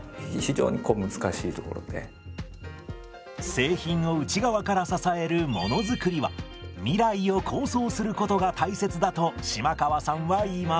製品を内側から支えるものづくりは未来を構想することが大切だと嶋川さんは言います。